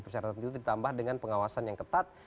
persyaratan itu ditambah dengan pengawasan yang ketat